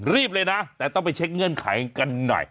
รีบเลยนะแต่ต้องไปเช็คเงื่อนไขกันหน่อย